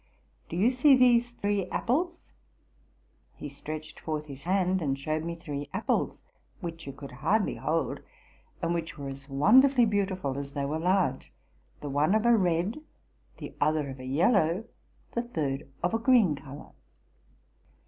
Do you see these three apples?'' He stretched forth his hand and showed me three apples, which it could hardly hold, and which were as wonderfully beautiful as they were large, the one of a red, the other of a yellow, the third of a green, color.